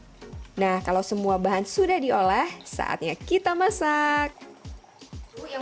telur hingga tercampur rata nah kalau semua bahan sudah diolah saatnya kita masak yang